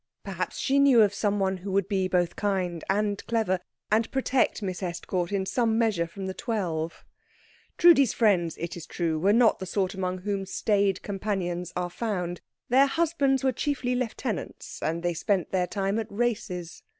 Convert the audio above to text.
Perhaps she knew of some one who would be both kind and clever, and protect Miss Estcourt in some measure from the twelve. Trudi's friends, it is true, were not the sort among whom staid companions are found. Their husbands were chiefly lieutenants, and they spent their time at races.